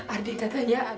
ardi katanya ada